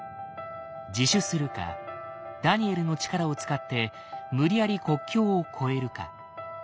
自首するかダニエルの力を使って無理やり国境を越えるか。